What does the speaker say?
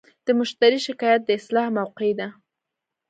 د مشتری شکایت د اصلاح موقعه ده.